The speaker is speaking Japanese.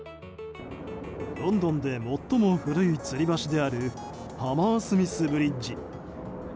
ロンドンで最も古いつり橋であるハマースミスブリッジ。